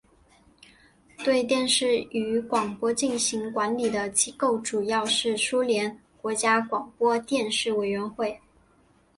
对电视与广播进行管理的机构主要是苏联国家广播电视委员会。